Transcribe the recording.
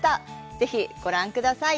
ぜひご覧ください。